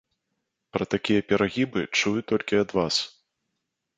Пра такія перагібы чую толькі ад вас.